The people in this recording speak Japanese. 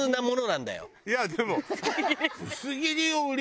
いやでも。